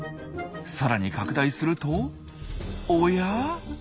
さらに拡大するとおや？